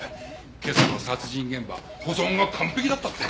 今朝の殺人現場保存が完璧だったって。